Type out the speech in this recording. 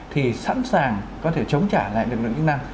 thì sẵn sàng có thể chống trả lại lực lượng chức năng